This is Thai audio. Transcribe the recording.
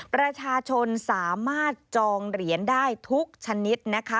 ประชาชนสามารถจองเหรียญได้ทุกชนิดนะคะ